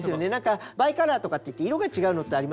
バイカラーとかっていって色が違うのってありますよね。